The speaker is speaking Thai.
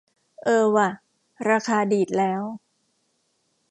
เออว่ะ ราคาดีดแล้ว